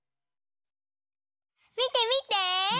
みてみて。